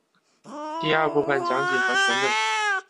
第二部份讲几何全等。